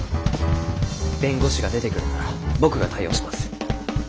弁護士が出てくるなら僕が対応します。